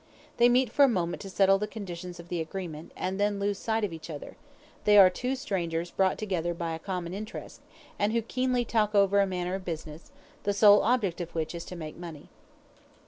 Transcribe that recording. They meet for a moment to settle the conditions of the agreement, and then lose sight of each other; they are two strangers brought together by a common interest, and who keenly talk over a matter of business, the sole object of which is to make money.